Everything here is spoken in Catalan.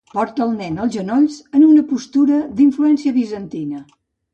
Porta el nen als genolls, en una postura d'influència bizantina.